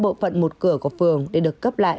bộ phận một cửa của phường để được cấp lại